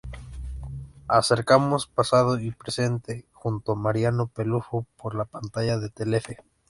Acercamos pasado y presente" junto a Mariano Peluffo por la pantalla de Telefe.